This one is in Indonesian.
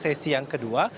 sesi yang kedua